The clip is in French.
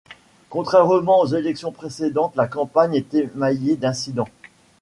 Contrairement aux élections précédentes, la campagne est émaillée d'incidents.